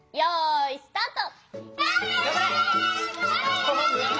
よいスタート！